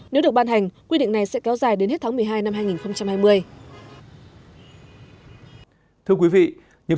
nếu được ban hành quy định này sẽ kéo dài đến hết tháng một mươi hai năm hai nghìn hai mươi